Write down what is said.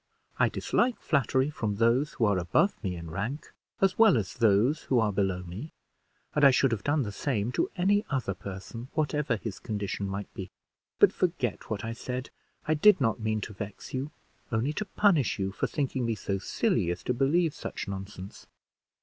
I dislike flattery from those who are above me in rank, as well as those who are below me; and I should have done the same to any other person, whatever his condition might be. But forget what I said, I did not mean to vex you, only to punish you for thinking me so silly as to believe such nonsense."